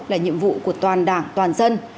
là nhiệm vụ của toàn đảng toàn dân